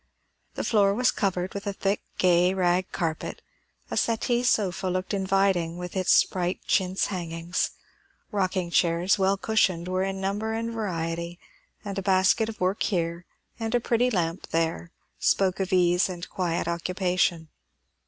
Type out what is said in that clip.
The floor was covered with a thick, gay rag carpet; a settee sofa looked inviting with its bright chintz hangings; rocking chairs, well cushioned, were in number and variety; and a basket of work here, and a pretty lamp there, spoke of ease and quiet occupation.